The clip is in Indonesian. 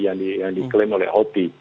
yang diklaim oleh houthi